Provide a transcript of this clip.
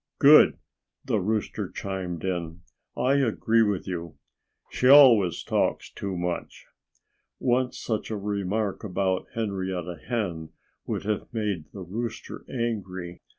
"Good!" the rooster chimed in. "I agree with you. She always talks too much." Once such a remark about Henrietta Hen would have made the rooster angry.